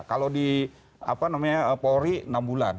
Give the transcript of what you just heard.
kalau di polri enam bulan